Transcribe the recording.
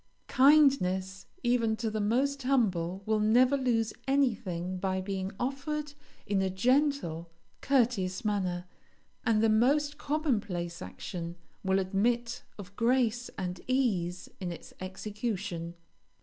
Kindness, even to the most humble, will never lose anything by being offered in a gentle, courteous manner, and the most common place action will admit of grace and ease in its execution.